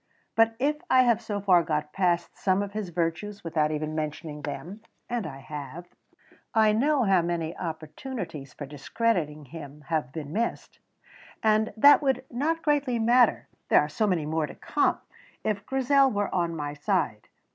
But if I have so far got past some of his virtues without even mentioning them (and I have), I know how many opportunities for discrediting him have been missed, and that would not greatly matter, there are so many more to come, if Grizel were on my side.